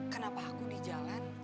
kenapa aku di jalan